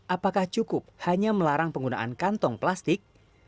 apakah cukup hanya melarang penggunaan kantong plastik